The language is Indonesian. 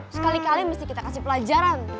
sekali kali mesti kita kasih pelajaran